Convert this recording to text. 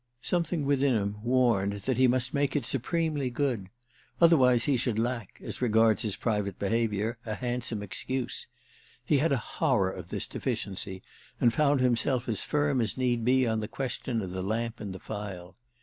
Something within him warned him that he must make it supremely good—otherwise he should lack, as regards his private behaviour, a handsome excuse. He had a horror of this deficiency and found himself as firm as need be on the question of the lamp and the file.